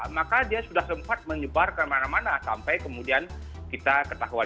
maka dia sudah sempat menyebar kemana mana sampai kemudian kita ketahuan